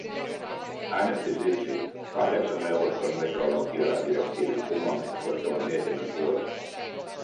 Äänestin siksi kahdeksan neuvoston metrologiadirektiivin kumoamista koskevan mietinnön puolesta.